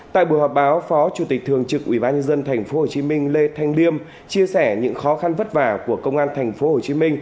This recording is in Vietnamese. tại buổi họp báo phó chủ tịch thường trực ubnd tp hcm lê thanh liêm chia sẻ những khó khăn vất vả của công an tp hcm